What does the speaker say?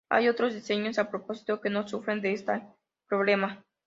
Hay otros diseños a propósito que no sufren de este problema.